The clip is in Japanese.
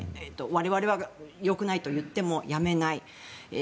我々はよくないと言ってもやめない。